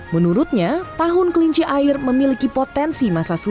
menurutnya tahun kelinci air memiliki potensi